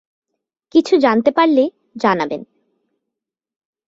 কিছু জানতে পারলে জানাবেন।